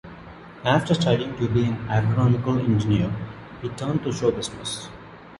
After studying to be an agronomical engineer, he turned to show business.